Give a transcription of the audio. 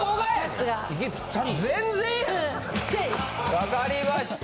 わかりました。